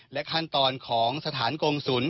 ขั้นตอนของสถานกงศุล